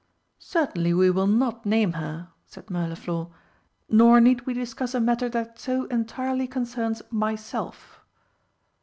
"Certainly we will not name her," said Mirliflor, "nor need we discuss a matter that so entirely concerns myself."